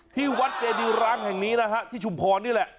ที่วัดเจดีร้างแห่งนี้นะฮะที่ชุมพรนี่แหละ